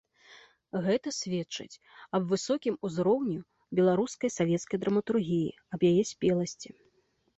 Гэта сведчыць аб высокім узроўні беларускай савецкай драматургіі, аб яе спеласці.